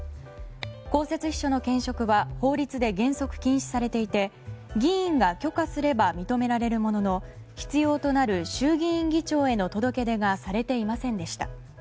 公設秘書の兼職は法律で原則禁止されていて議員が許可すれば認められるものの必要となる衆議院議長への届け出がされていませんでした。